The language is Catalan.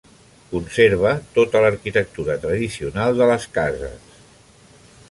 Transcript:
Conserva tota l'arquitectura tradicional de les cases.